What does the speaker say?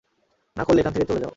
না করলে এখান থেকে চলে যাও।